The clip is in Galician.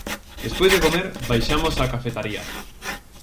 Despois de comer baixamos á cafetaría.